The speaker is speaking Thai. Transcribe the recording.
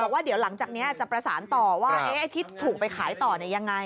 ว่าเดี๋ยวหลังจากนี้จะประสานต่อว่าไอ้ที่ถูกไปขายต่อยังไง